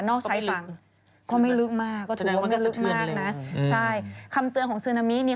ชายฝั่งก็ไม่ลึกมากก็ถือว่าไม่ลึกมากนะใช่คำเตือนของซึนามิเนี่ย